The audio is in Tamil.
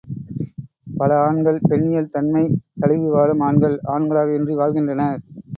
பல ஆண்கள் பெண்ணியல் தன்மை தழுவி வாழும் ஆணகள், ஆண்களாக இன்றி வாழ்கின்றனர்.